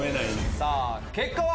さぁ結果は？